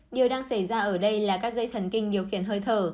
điều đang xảy ra ở đây là các dây thần kinh điều khiển hơi thở